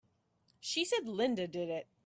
She said Linda did it!